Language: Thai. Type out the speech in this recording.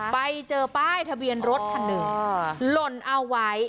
ไปเจอป้ายทะเบียนรถคันหนึ่งหล่นเอาไว้